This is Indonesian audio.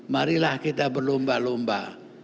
marilah kita berlomba lomba